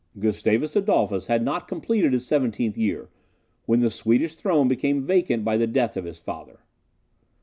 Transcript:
Gustavus Adolphus had not completed his seventeenth year, when the Swedish throne became vacant by the death of his father.